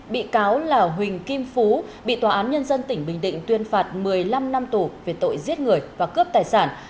bị cáo là huỳnh kim phú bị tòa án nhân dân tỉnh bình định tuyên phạt một mươi năm năm tù về tội giết người và cướp tài sản